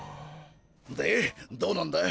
でどうなんだ？